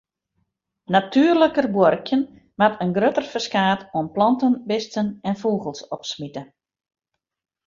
Natuerliker buorkjen moat in grutter ferskaat oan planten, bisten en fûgels opsmite.